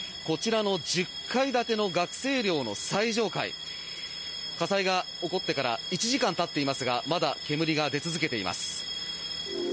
こちらの１０階建ての学生寮の最上階火災が起こってから１時間たっていますがまだ煙が出続けています。